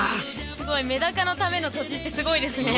すごいメダカのための土地ってすごいですね